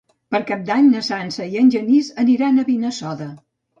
Per Cap d'Any na Sança i en Genís aniran a Benissoda.